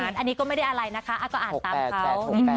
อันนี้ก็ไม่ได้อะไรนะคะก็อ่านตามเขา